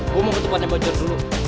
gue mau ke tempatnya bajur dulu